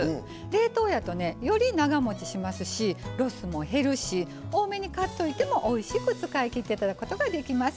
冷凍やとねより長もちしますしロスも減るし多めに買っといてもおいしく使い切っていただくことができます。